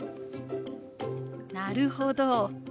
なるほど。